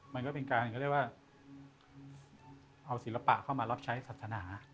มันก็เป็นการเขาเรียกว่าเอาศิลปะเข้ามารับใช้ศาสนา